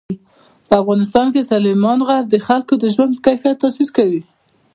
په افغانستان کې سلیمان غر د خلکو د ژوند په کیفیت تاثیر کوي.